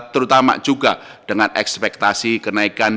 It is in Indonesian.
terutama juga dengan ekspektasi kenaikan